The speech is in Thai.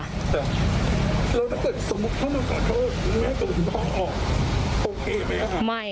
แล้วถ้าเกิดสมมุติเขามาขอโทษแม่ต้องออกโอเคไหมคะ